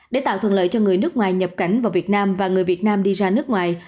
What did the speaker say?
để tạo thuận lợi cho người nước ngoài nhập cảnh vào việt nam và người việt nam đi ra nước ngoài